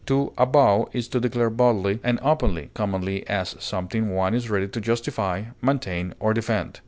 To avow is to declare boldly and openly, commonly as something one is ready to justify, maintain, or defend.